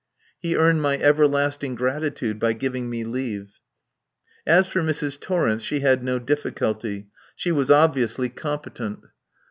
He earned my everlasting gratitude by giving me leave. As for Mrs. Torrence, she had no difficulty. She was obviously competent.